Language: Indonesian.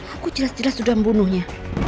aku jelas jelas sudah membunuhnya